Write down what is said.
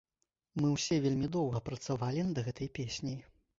Мы ўсе вельмі доўга працавалі над гэтай песняй.